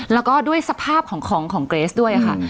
แล้วก็ด้วยสภาพของของเกรสด้วยค่ะ